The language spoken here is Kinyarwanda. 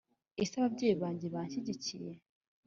Ese ababyeyi banjye bashyigikiye